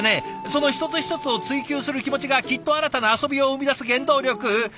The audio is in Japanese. その一つ一つを追求する気持ちがきっと新たな遊びを生み出す原動力。